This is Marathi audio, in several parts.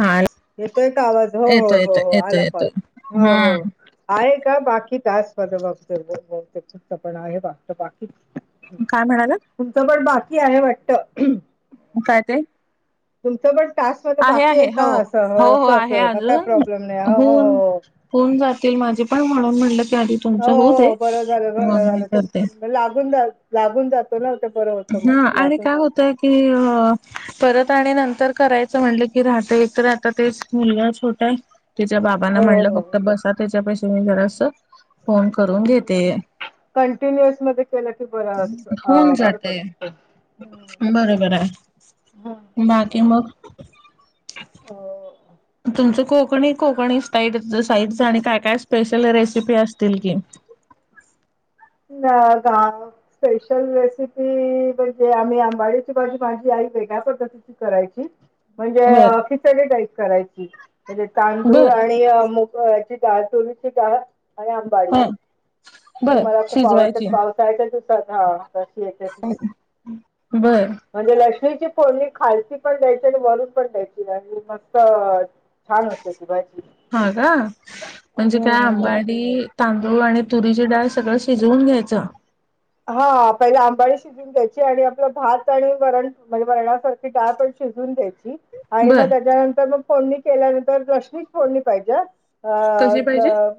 हं न येतोय का आवाज हो हो हो हो आला कॉल येतोय हो हो हम्म आहे का बाकी का स् बघत चत पण आहे बाकी [inaudible] काय म्हणाला तुमचं पण बाकी आहे वाटत काय ते तुमचं पण टास्क म बाकी आहे का अस हो हो ओके आहे ओके काय अजून प्रॉब्लेम नाही होऊन होऊन जातील माझे पण म्हणून म्हटलं की आधी हो तुमचं होऊ दे मग मी करते मग लागून लागून जातो ना ते बरं होतं मग हा आणि लागून काय होतय की अ परत आणि नंतर करायचं म्हणलं की राहत एकत आता तेच मुलगा छोटा आहे तिच्या बाबांना हो हो म्हणलं हो फक्त बसा त्याच्या पेक्षा मी जरास फोन करून घेते कंटिन्युअस मध्ये केलं की बरं असत होऊन बरं जात ते बरोबर आहे बाकी मग पडत तुमचं कोकणी कोकणी साईट साईटच आणि काय काय स्पेशल रेसिपी असतील की न गा स्पेशल रेसिपी म्हणजे आम्ही आंबाडची भाजी भाजी आ वेगळ्या पद्धती करायची म्हणजे बर खिचडी टाइप करायची म्हणजे तांदूळ बर आणि मुग ळ्याची डाल चोरीची डाल आणि आंबाडी ह ती बर मला खूप शिजवायची [unintelligible] बर म्हणजे लक्ष्मीची फोडणी खालची पण द्यायची आणि वरून पण द्यायची आणि मस्त छान होते ती भाजी ह का म्हणजे हम्म काय हम्म अंबाडी तांदूळ आणि तुरीची डाळ सगळं शिजवून घ्यायचं हा पहिले आंबाडी शिजवून शिजवून घायची आणि आपलं भात आणि वरण म्हणजे वरणासारखी डाळ पण शिजून घ्यायची आणि बर मग त्याच्यानंतर मग फोडणी केल्यानंतर रशनीच फोडणी पाहिजे कशी पाहिजे ह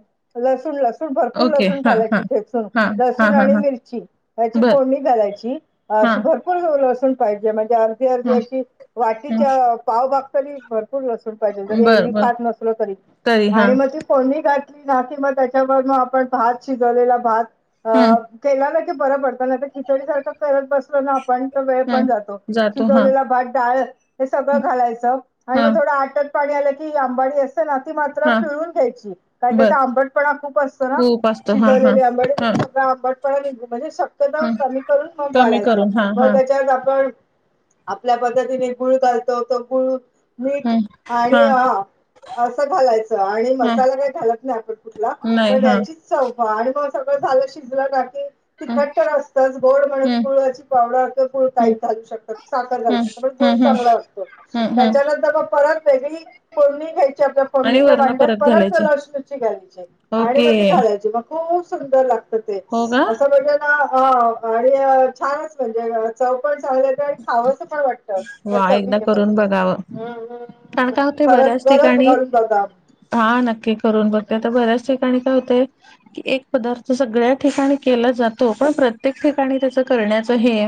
लसूण लसूण भरपूर ओके लसूण हा हा खालायची ठेचून हा हा लसूण हा आणि हा मिरची त्याची बर पोडणी घालायची म्हणूजे हा असं भरपूर लसून पाहिजे म्हणजे ह अशी वाटीच्या पावभग तरी भरपूर लसूण भरपूर पाहिजे जरी बर एरवी बर खात नसलं तरी तरी हा आणि मग फोडणी घातली ना मग त्याच्यावर मग आपण भात शिजवलेला भात अ हम्म त्यापेक्षा हे बरं पडतं खिचडी सारखं करत बसलो ना आपण वेळ पण जातो हम्म हा शिजवलेला भात डाळ हे सगळं घालायचं आणि हा मग थोडं आट पाणी आलं की आंबाडी असते ना ती मात्र हा पिळून घ्यायची कारण बर त्याचा आंबटपणा खूप असतं ना खूप असतो हा हा शिजवलेले आंबड हा सगळं आंबट प म्हणजे शक्यतो ह कमी करून मग कमी घालायचं करून हा मग हा त्याच्यात आपण आपल्या पद्धतीने गुळ घालतो तो गुळ मीठ हम्म आणि हा ह असं घालायचं आणि हा मसाला काही घालत नाही आपण कुठला नाही पण हा याची चव पाहा आणि मग सगळं झालं शिजलं का हम्म तिखट्ट असतच गोड म्हणून गुळाची पावडर हम्म घालू शकतात साखर घालू हम्म शकतात. गुळ हम्म हम्म हम्म चांगला असतो हम्म हम्म त्याच्यानंतर मग परत त्याची फोरणी घ्यायची आपल्या आणि फोरणीच्या वरण भांड्यात परत घालायची लसणूची घालायची आणि ओके मग ती घालायची मग खूप सुंदर लागत ते हो का असं म्हणजे ना अ आणि छानच म्हणजे चव पण चांगले खावस पण असं का वाटतं त्या वा एकदा चविने करून बघावं मुळे कारण काय होते खरच बऱ्याच खरच ठिकाणी करून बघा हा नक्की करून बघते आता बऱ्याच ठिकाणी काय होते. की एक पदार्थ सगळ्या ठिकाणी केला जातो पण प्रत्येक ठिकाणी त्याच करण्याचं हे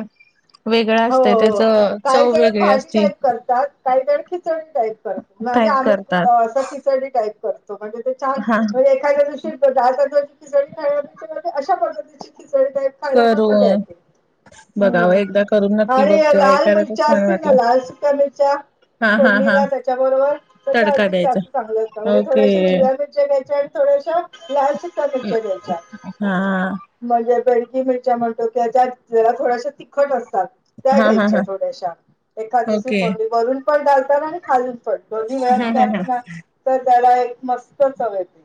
वेगळं हो असतं हो त्याचे काही जण भाजी टाईप करतात काही जण खिचडी टाईप करतात म्हणजे टाईप आम्ही करतात खिचडी टाइप करतो म्हणजे ते छान हा म्हे खायच्या दिवशी दाल तादळाची खिचडी खाण्यापेक्षा अशा पद्धतीची खिचडी टाइप खायला पण मजा करून येत बघावं हम्म एकदा करून नक्की आणि बघते लाल ऐकायला तर मिर्च छान असे ना वाटलं लाल सुके मिर्चा हा हा हा फोडणीला त्याच्याबरोबर तर ते तडका अजून द्यायचा जास्त चांगलं होत का म्हणजे ओके थोड्याशा हिरव्या मिरर्च्या घ्याच्या आणि थोड्याशा लालच अशा मिच घायच्या हा हा म्हणजे बेडकी मिरच्या म्हणतो की ज्याला थोडाशा तिखट असतात. त्या हा हा घ्यायच्या हा थोड्याशा एखाद्या ओके फोंडी भरून पण घालतना आणि खाजून पण दोन्ही वेळात हा हा हा घ्यायचं ना तर त्याला एक मस्त चव येते.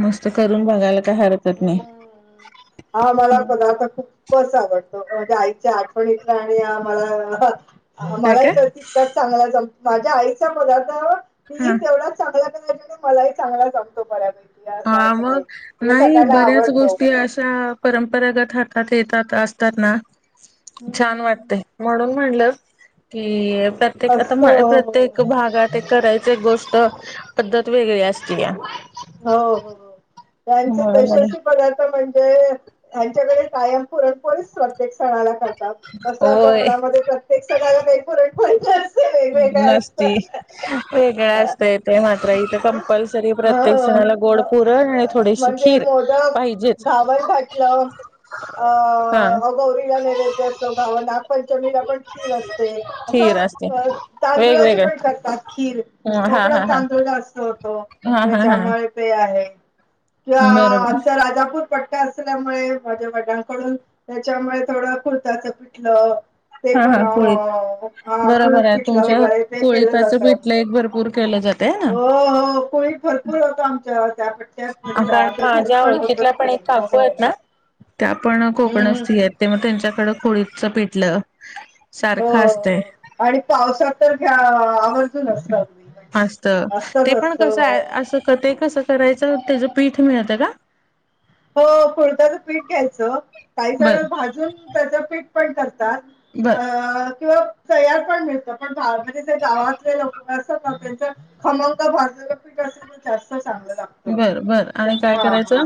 मस्त करून बघायला काय हरकत नाही. हम्म. हा आम्हाला पदार्थ खूप खूपच आवडतो म्हणजे आईच्या आठवणीतला आणि मला काय मला काय तर त्यात [unintelligible] चांगला माझ्या आईचा पदार्था हा मी तेवढा चांगला करायच्या मलाही चांगला जमतो बऱ्या हा मग नाही बऱ्याच आवडतो. गोष्टी अशा परंपरागत हातात येतात असतात ना हम्म छान वाटते. हम्म. म्हणून म्हणलं की प्रत्येक असतो आता हो प्रत्येक भागात ते करायचे एक गोष्ट पद्धत वेगळी असते या हो हो त्यांच म्हणून तशस बघ म्हणजे यांच्याकडे कायम पुरणपोळीच प्रत्येक सणाला करत तस होय कोपडामध्ये प्रत्येक सणाला वेफोरेट पत नसती वेगळ असत इ ते मात्र इथे कंपल्स री प्रत्येक हो जणाला गोड पुरण आणि थोडीशी म्हणजे खीर मोदक पाहिजेच. घावण घातलं हा अ गौरीला नैवेद्य असो गा नागपंचमीला पण खीर असते. खीर असते. तांदळाची वेगवेगळं पण करतात खीर हा हा कोकणात हा तांदूळ जास्त होतो. हा हा हा त्याच्यामुळे ते आहे किंवा बरोबर आमचा राजापूर पटका असल्यामुळे माझ्या वडंकडून त्याच्यामुळे थोडं कुर्ताचं पिटलं. हा हा कोळीत कुळीत बरोबर आहे पिठलं तुमच्या वगैरे ते केलं कोळीताचं जातं पिटलं एक भरपूर केलं जातं. ते ना हो हो कोळी भरपूर होतं आमच्या त्या म्हणजे कारण आमच्या घरी माझ्या पण होत ओळखीतल्या पण तिकडे एक हो काकू हो आहेत ना त्या पण हम्म हम्म. कोकणस्थि आहेत. ते मग त्यांच्याकडं कोळीच पिटलं. हो सारखं असतंय आणि पावसात तर घ्या आवर्जून असता तुम्ही. मस्त ते पण कसं आहे असं ते कसं करायचं त्याचं पीठ मिळतं का? हो फुडताचं पीठ घ्यायचं काही बर जण भाजून त्याचं पीठ पण करतात. बर अ किंवा तयार पण मिळत पण म्हणजे गावातले लोक असत ना त्यांच खमंग भाजलेलं पीठ असेल तर जास्त चांगलं लागत बर बरं आणि काय करायचं?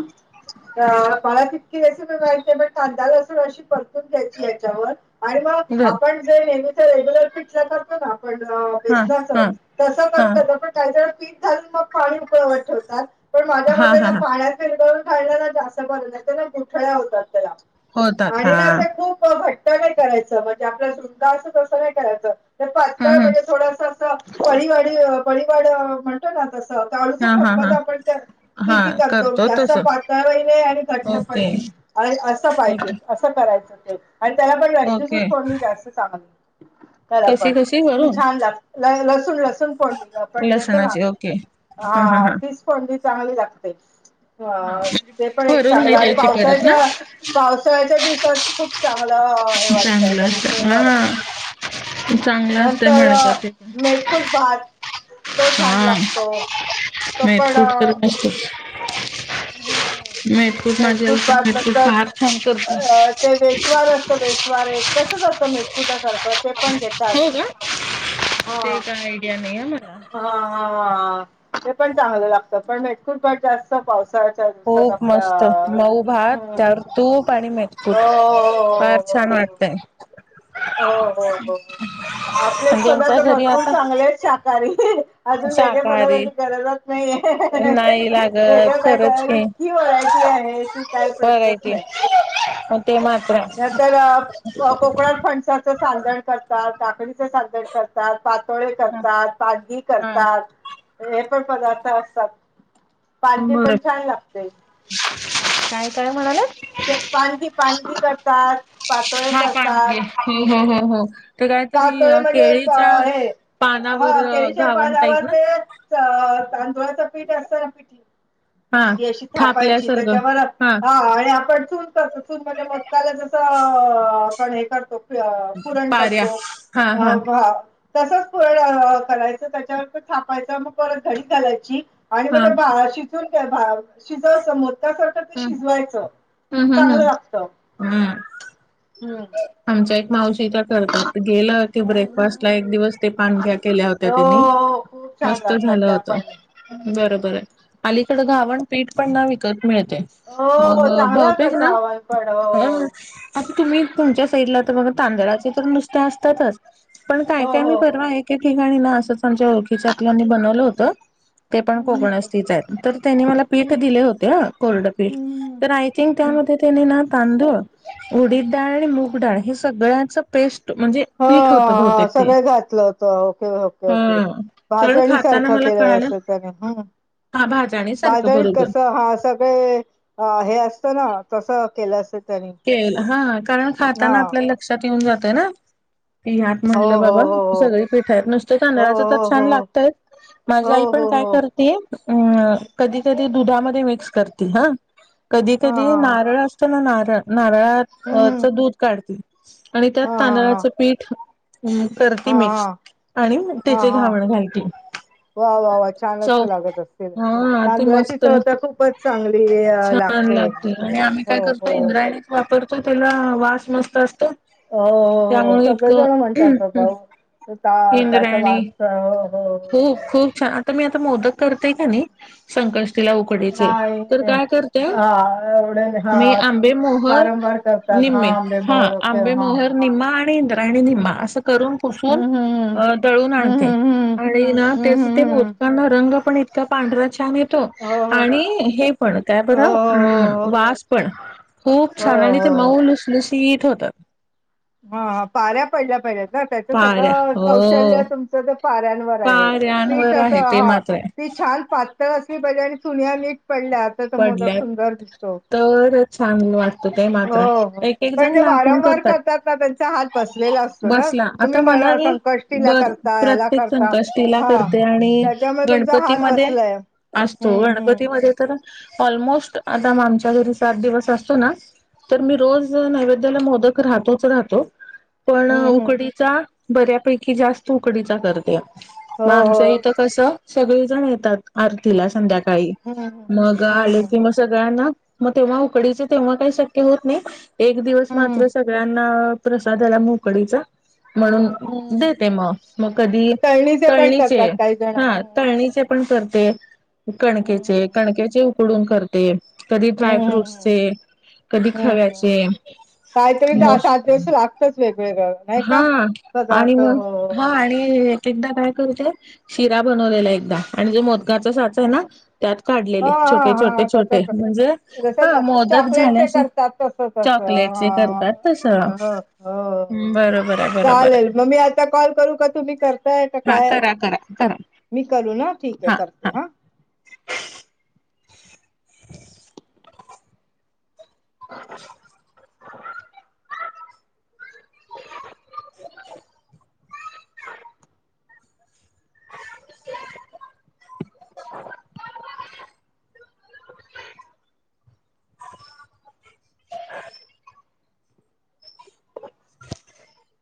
मला तितकी रेसिपण माहि बण कांदा लसून अशी प घ्याय याच्यावर आणि मग बर आपण जे नेहमीचा रेग्युलर पिटलं करतो ना ण हा बेसना हा तस हा करून पण काही जण पीठ घालून मग पाणी उकळवत ठेवतात पण माझ्या हा मते हा हा पाण्यात विरघळून ा जास्त बर नाही ना कुठळ्या होतात त्याला होतात आणि हा ना खूप घट नाही करायचं म्हणजे आपल्याला सुृंदा असं तसं नाही करायचं तर तातकाळ हम् हम् म्हणजे थोडास परळीवाडी बळीवाड म्हण तस हा हा पक््पाच हा आपण हा किती करतो जास्त तस पातळही नाही आणि घट्ट पण ओके नाही असं पाहिजे ओके असं करायचं ते. आणि त्याला पण लश्मीचीच ओके कोडणी जास्त चांगली. करा कशी पण कशी त वरून छान ला लसून लसून फोडली. आपण देतो ना लसणाची ओके हा तीच फणी चांगली लागते. हा अ ते म्हजला पण एक भरून नाही चांगलं आणि दयची करत ना. पावसाळ्याच्या पावसाळ्याच्या दिवसात खूप चांगलं हे वाटतं चांगलं त्याच हा फ्लेवर हा चांगलं असतय नंतर म्हणत होते [unintelligible] भात तो छान हा लागतो तो नाहीत कुठचत हम मेतकुट तर भात मेटकूट नंतर,, फार छान करते. अ ते वेस्वार असत वेस्वार एक तसच असत मेतकुटा सारखं, ते पण घेतात. हो का? ते हा काय आयडिया नाही म हा, हा, ते पण चांगलं लागतं, पण मेतकूट भात जास्त पावसाळच्या दिवसात खूप आपल्या मस्त मऊ भात हम्म त्यावर तूप आणी मेतकुट,, हो फार हो हो छान लागतयऽ हो, हो, हो, आपले ज्यांच्या स्वतःथ घरी भरपूर आता चांगलेच शाकाहारीऽ अजून वेगळ्या शाकाहारी पदार्थाची गरजच नाहीये, नाही लागत वेगळं काय खरंच करायची की व्हरायटी आहे ती, काय प्रश्नच नाही. हम्, ते मात्र ऽऽ नंतर कोकणात फणसाचं सांधनऽऽ करतात, काकडीचे साधंन करतात, पातोळे करतात, भाजी हा करतातऽ हे पण पदार्थ असतात,, पांदी बरोबर. पण छान लागतेऽ काय, काय म्हणालात? पानखी, पानखी करतात, पातोळे करतात, हम्, हम्, हम्, हम् पातोळे म्हणजे हे,, पानावर हा केळीच्या घावण टाईप पानावर ना? तेऽऽ अंऽऽतांदुळाच पीठ असत पिठऽ हा ती अशी थापायची त्याच्यावर,, हा आणि आपन चुन करतोऽऽ णजे मोदकाला जस, आपण हे करतो, पुरण पाऱ्या करतोऽ हा हा ह बाऽऽ तसच फ करायचं, त्याच्यावर थापायचं, मग परत घडी घालायची, आणि हा मग ते शिजून, शिजव अस मोदकासारखऽ ते हम्म शिजवायचं,, हम्म हम्म चांगलं हम्म लागतं. हम्म, हम्म, आमच्या एक मावशी य त्याग करतऽऽ गेलं क हम्म ब्रेकफास्ट ला एक दिवस ते पानख्या केल्या होत्या त्यांनीऽऽ हो खूप छान मस्त लागतात झालं त्या होत,, पण बरोबर आहे,, अलीकड घावणऽऽ पिठ पण ना विकत मिळतय,, हो मग चांगला होतात भवतेक धावण पण नापऽ हो आता तुम्ही तुमच्या साईडला तर बघा तांदळाचे तर नुसता असतातच, पण काय हो काय मी हो हो परवा आहेऽऽ ठिकाणी ना असंच आमच्या ओळखीच्यातल्यांनी बनवलं होतं,,, ते पण हम्म कोकण हम्म स्थच आहेत, तर त्यांनी मला पीठ दिले होते ह, कोरड पीठऽऽ हम्म. तर आय थिंक ह त्यामध्ये त्यानी ना तांदूऴ, उडीद ऽऽ ाळ आणि मुगडाळ हे सगळ्यांचं पेस्टऽऽ हा, हा, सगळं घातलं होत, ओके, ओके, ओके हा कारण बाजणी खाताना सारखं मला केलेलं कळालं असं त्याने,, ह, हा भाजणी सारखं बाजणी बरोबर कस हा असाऽ े हे असत ना,, तस केलं असऽऽ के हा कारण खाताना आपल्याला लक्षात येऊन जातय ना. ह्यात हो म्हणलं हो बाबा हो सगळे पिठ आहेत, नुसते हो तांदळाच तर छान हो हो लागतयऽऽ माझी हो आई पण हो हो हो काय हो करते,, अ,, कधी, कधी दुधामध्ये मिक्स करते हाऽऽ कधी हा कधी हा हा नारळ असतो नां नारळ नारळ हम्म च दूध काढती- आणि त्यात हा हा तांदळाचं पीठ- हुं करती हा हा मिक्स आणि मग त्याची घावण घालती. वां वां वां छानच लागत असतील हा ते तांदळाची मस्त चवतर खूपच चांगली लागते. इकडे हो आम्ही काय हो करतो हो इंद्रायणीच वापरतो त्याला वास मस्त असतो. हो, हो. त्यामुळे इतकं सगळेजण म्हणतात बाबा [unintelligible] तो ता त्याचा इंद्रायणी वास हो, हो खूप छान आता मी आता मोदक करतेय कीनी - संकष्टीला उकडीचे नाही तर काय करते हां, एवढे मी हां, तुम्ही आंबे मोहर- वारंवार करतात हां, निम्मे आंबे हां मोहरचे आंबे हां, हां. मोहर निम्मा आणि इंद्र- यणि निम्मा असं करून पुसून हं, हं, अं दळून हं, आणते. हं, हं. आणि नां हं, त्याच हं, ते हं. मोदकांना रंग पण इतका पांढरा छान ये- त,, हो, हो, आणि हे पण, काय हो, बरं,, हो, हो, वास पणऽ खूप हो, छान आणि ते हो, हो. मऊ लुसलुशीत होतं. हां, पाऱ्या पडल्या पाहिजेत ना, त्याचं पाऱ्या सगळं हो कौशल्य तुमचंऽऽ पाऱ्यांवर आहे,, पीठ पाऱ्यांवर अस आहे ते हा,, मात्र आहे ती छान पातळ असली पाहिजे आणि सुन्या नीटऽऽ पडल्या तर तो मोदक पडल्यात सुंदर दिसतो,,, तर चांगलं वाटतं ते मात्र होऽ एक एक पण जण जे लागून वारंवार करतात करतातऽऽ त्यांचा हात बसलेला असतो ना,, बसला तुम्ही आता ब मला हे संकष्टीला बर करताय,, ह्याला प्रत्येक करताऽऽ संकष्टीला करते आणि तुमचा हात गणपतीमध्ये बसलाय. असतो हं, हं. गणपतीमध्ये- तर ऑलमोस्ट आता मां आमच्या घरी सात दिवस असतो नां तर मी रोज नैवेद्याला मोदक राहतोच राहतो. पण हं, हं. उकडीचा बऱ्यापैकी जास्त उकडीचा करते. हो, मं हो. आमचं इथं कसं सगळेजण येतात आरतीला संध्याकाळी. हं, हं. मग हं, आले हं. की मग सगळ्यांना, मग तेव्हा उकडीचे तेव्हा काही शक्य होत नाही. एक दिवस हं, मात्र सगळ्यांना प्रसाद झाला मग उकडीचा - म्हणून हं. देते मग मग कधी पण तळणीचे करतात काही जण. हं, हां- हं, तळणीचे हं. पण करते, कणकेचे हम्म कणकचे- उकडून करते, कधी ड्राय हम्म फ्रूटचे, कधी हम्म खव्याचे- काहीतरी दहा मग सात दिवस लागतच वेगवेगळं नाही का हां आणि पदार्थ मग हो हां आणि- एकदा काय करतेय, शिरा बनवलेला एकदा आणि जो मोदकाचा साच आहेना- हां हां हां त्याच्यात म्हणजे जस ह ना मोदक चॉकलेट झाल्याशी करतात. तसं तसं चॉकलेटचे हां करतात तस हां हों बरोबर आहे बरोबर चालेल आहे मग मी- आत्ता कॉल करू का? तुम्ही करताय का हा काय करा करा करा मी करू ना ठीक आहे हा करते हा हां. [unintelligible] [unintelligible] [unintelligible] [unintelligible] [inaudible]